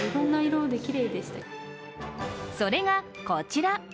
それがこちら。